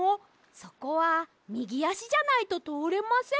そこはみぎあしじゃないととおれません。